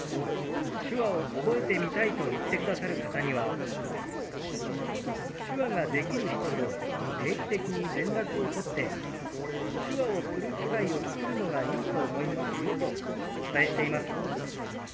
手話を覚えてみたいと言ってくださる方には「手話ができる人と定期的に連絡を取って手話をする機会を作るのがいいと思いますよ」とお伝えしています。